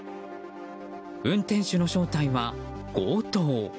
運転手の正体は強盗。